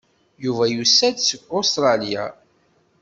Yuba yusa-d seg Ustṛalya.